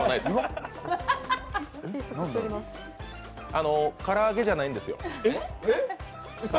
あのー、から揚げじゃないんですよ。